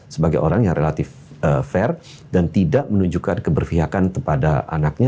sebagai orang yang relatif fair dan tidak menunjukkan keberpihakan kepada anaknya